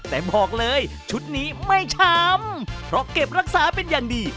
แต่บอกเลยชุดนี้ไม่ช้ำเพราะเก็บรักษาเป็นอย่างดี